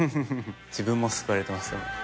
自分も救われてます。